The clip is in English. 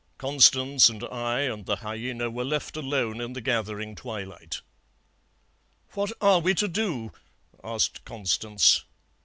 Constance and I and the hyaena were left alone in the gathering twilight. "'What are we to do?' asked Constance.